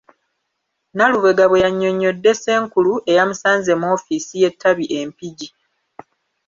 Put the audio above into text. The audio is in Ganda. Nalubega bwe yannyonnyodde Ssenkulu eyamusanze mu ofiisi y’ettabi e Mpigi.